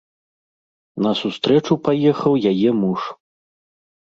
На сустрэчу паехаў яе муж.